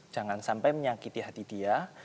jangan sampai menyakiti hati dia